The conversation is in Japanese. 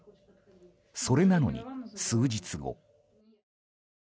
それなのに、数日後。